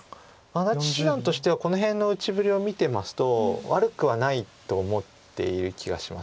安達七段としてはこの辺の打ちぶりを見てますと悪くはないと思っている気がします。